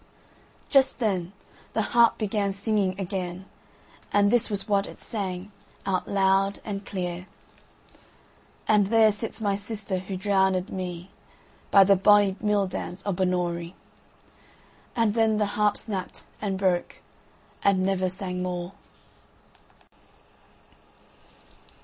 Just then the harp began singing again, and this was what it sang out loud and clear: "And there sits my sister who drownèd me By the bonny mill dams o' Binnorie." And the harp snapped and broke, and never sang more.